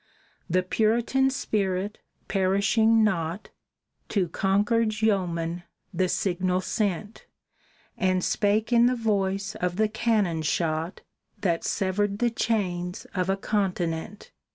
The Puritan spirit perishing not, To Concord's yeomen the signal sent, And spake in the voice of the cannon shot That severed the chains of a continent.